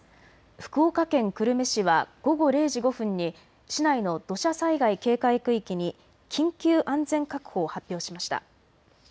福岡県久留米市は午後０時５分に市内の土砂災害警戒区域に緊急安全確保を発表しました。